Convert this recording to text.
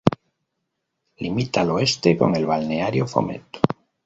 Limita al oeste con el balneario Fomento.